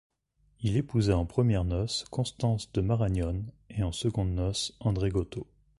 Il épousa en premières noces Constance de Marañón et en secondes noces Andregoto.